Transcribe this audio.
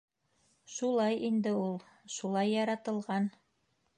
Шулай инде ул. Шулай яратылған.